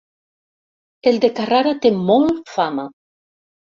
El de Carrara té molt fama.